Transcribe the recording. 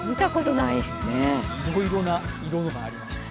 いろいろな色がありました。